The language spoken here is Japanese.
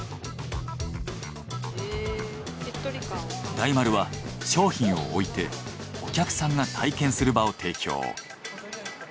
大丸は商品を置いてお客さんが体験する場を提供。